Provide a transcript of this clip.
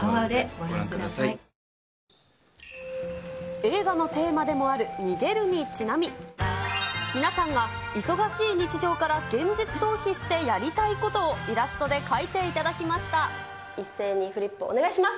映画のテーマでもある逃げるにちなみ、皆さんが忙しい日常から現実逃避してやりたいことをイラストで描いていただきました。